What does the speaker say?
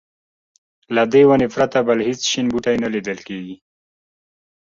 له دې ونې پرته بل هېڅ شین بوټی نه لیدل کېږي.